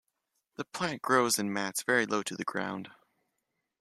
The plant grows in mats very low to the ground.